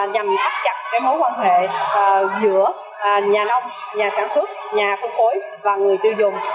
nhằm thắt chặt mối quan hệ giữa nhà nông nhà sản xuất nhà phân phối và người tiêu dùng